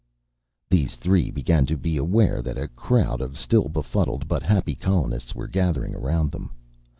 These three began to be aware that a crowd of still befuddled but happy colonists were gathering around them.